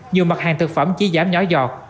nhiều mặt hàng thực phẩm chỉ giảm nhỏ dọt